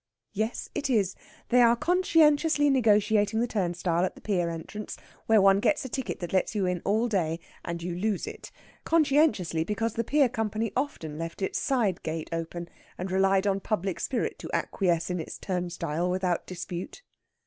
Yes, it is. They are conscientiously negotiating the turnstile at the pier entrance, where one gets a ticket that lets you on all day, and you lose it. Conscientiously, because the pier company often left its side gate open, and relied on public spirit to acquiesce in its turnstile without dispute.